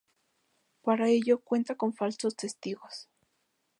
Para ello cuenta con falsos testigos.